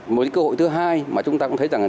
một cái cơ hội thứ hai mà chúng ta cũng thấy rằng là